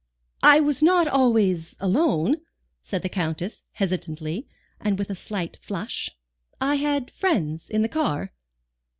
"I was not always alone," said the Countess, hesitatingly, and with a slight flush. "I had friends in the car."